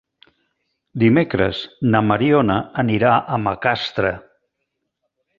Dimecres na Mariona anirà a Macastre.